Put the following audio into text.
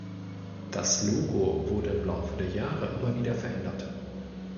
Das Logo wurde im Laufe der Jahre immer wieder verändert.